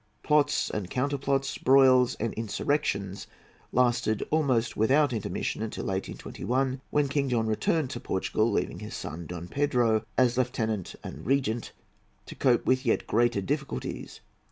Plots and counterplots, broils and insurrections, lasted, almost without intermission, until 1821, when King John returned to Portugal, leaving his son, Don Pedro, as lieutenant and regent, to cope with yet greater difficulties.